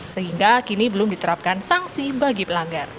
sehingga kini belum diterapkan sanksi bagi pelanggar